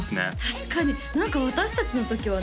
確かに何か私達の時はね